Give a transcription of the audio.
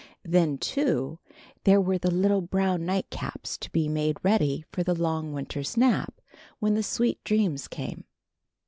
Then, too, there were the little brown nightcaps to be made ready for the long Winter's nap, when the sweet dreams came.